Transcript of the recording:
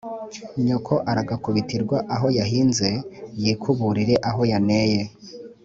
nyoko aragaku bitirwa aho yahinze yikuburire aho yaneye